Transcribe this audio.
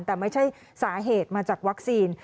แต่ไม่ใช่สาเหตุมาจากวัคซีน